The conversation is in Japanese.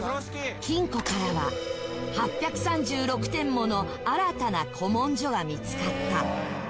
「金庫からは８３６点もの新たな古文書が見つかった」